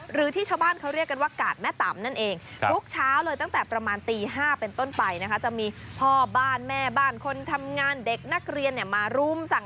หรือที่ชาวบ้านเขาเรียกกันว่ากาศแม่ต่ำนั่นเอง